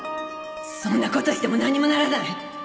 そんな事してもなんにもならない。